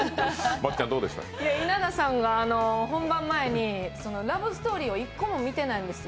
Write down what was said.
稲田さんが本番前にラブストーリーを一個も見てないんですよ。